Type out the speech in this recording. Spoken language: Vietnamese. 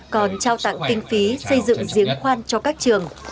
còn trao tặng kinh phí xây dựng giếng khoan cho các trường